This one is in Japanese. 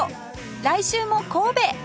来週も神戸